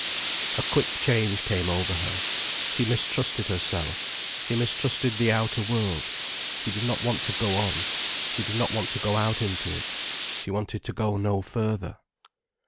A quick change came over her. She mistrusted herself, she mistrusted the outer world. She did not want to go on, she did not want to go out into it, she wanted to go no further.